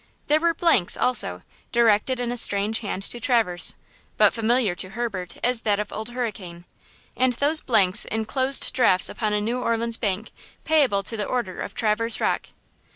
There were blanks, also, directed in a hand strange to Traverse, but familiar to Herbert as that of Old Hurricane, and those blanks inclosed drafts upon a New Orleans bank, payable to the order of Traverse Rocke.